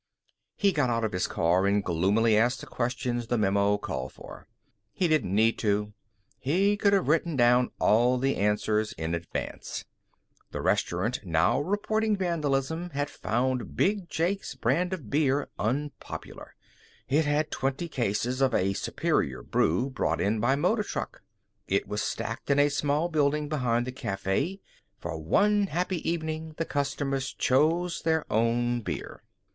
He got out of his car and gloomily asked the questions the memo called for. He didn't need to. He could have written down all the answers in advance. The restaurant now reporting vandalism had found big Jake's brand of beer unpopular. It had twenty cases of a superior brew brought in by motor truck. It was stacked in a small building behind the café. For one happy evening, the customers chose their own beer.